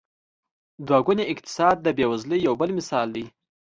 دوه ګونی اقتصاد د بېوزلۍ یو بل مثال دی.